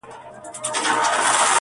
چي یو ږغ کړي د وطن په نامه پورته؛